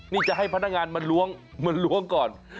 นี่จะให้พนักงานมาล้วงก่อน